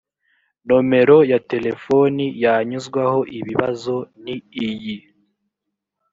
nomero ya telefoni yanyuzwaho ibibazo ni iyi